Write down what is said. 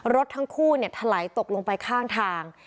รถทั้งคู่ถลายตกลงไปข้างทาง